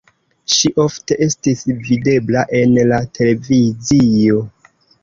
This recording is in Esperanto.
Ŝi ofte estis videbla en la televizio.